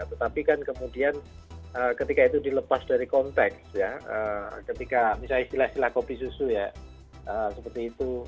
tetapi kan kemudian ketika itu dilepas dari konteks ya ketika misalnya istilah istilah kopi susu ya seperti itu